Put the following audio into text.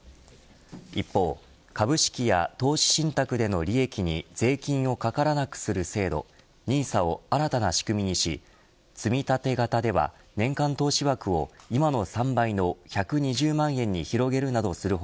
一方、株式や投資信託での利益に税金をかからなくする制度ＮＩＳＡを新たな仕組みにしつみたて型では年間投資枠を今の３倍の１２０万円に広げるなどする他